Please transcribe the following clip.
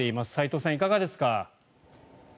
齋藤さん、いかがですか？